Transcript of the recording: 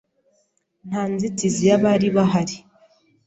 Nta nzitizi yabari bahari.